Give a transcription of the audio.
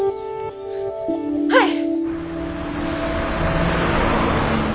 はい。